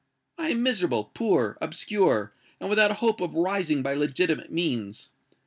I am miserable,—poor,—obscure,—and without a hope of rising by legitimate means.